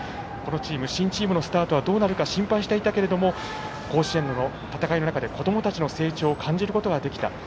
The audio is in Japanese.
このチーム新チームのスタートはどうなるか心配していたけれども甲子園での戦いの中で子どもたちの成長を感じることができた。